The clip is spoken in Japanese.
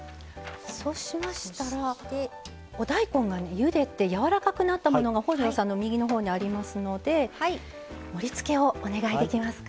そうしましたらお大根がゆでてやわらかくなったものが本上さんの右の方にありますので盛りつけをお願いできますか。